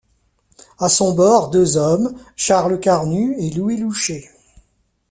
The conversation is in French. À son bord deux hommes, Charles Carnus et Louis Louchet.